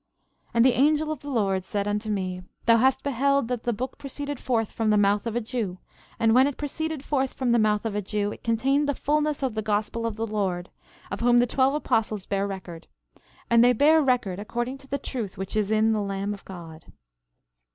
13:24 And the angel of the Lord said unto me: Thou hast beheld that the book proceeded forth from the mouth of a Jew; and when it proceeded forth from the mouth of a Jew it contained the fulness of the gospel of the Lord, of whom the twelve apostles bear record; and they bear record according to the truth which is in the Lamb of God.